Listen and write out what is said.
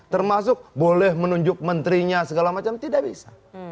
termasuk boleh menunjuk menterinya segala macam tidak bisa